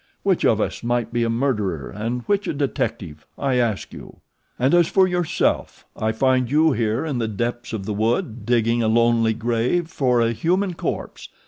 Which of us might be a murderer and which a detective? I ask you. "And as for yourself. I find you here in the depths of the wood digging a lonely grave for a human corpse.